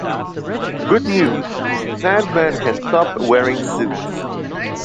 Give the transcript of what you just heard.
Good news: Sandman can stop wearing suits.